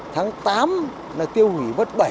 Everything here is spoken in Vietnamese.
tháng tám tiêu hủy mất tám trăm năm mươi bảy con